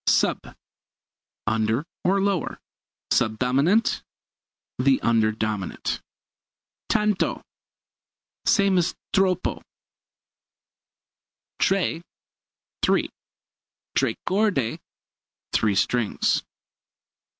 Sub under or lower. Sub dominant the under dominant. Tanto same as troppo, q.v. Tre three. Tre corde three strings.